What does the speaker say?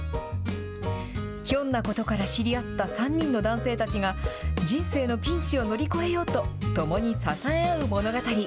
ひょんなことから知り合った３人の男性たちが、人生のピンチを乗り越えようと、共に支え合う物語。